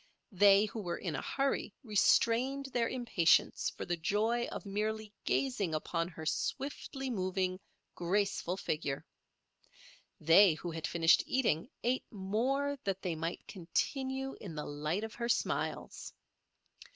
They who were in a hurry restrained their impatience for the joy of merely gazing upon her swiftly moving, graceful figure. They who had finished eating ate more that they might continue in the light of her smiles.